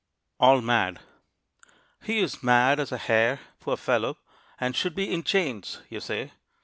ALL MAD. "He is mad as a hare, poor fellow, And should be in chains," you say.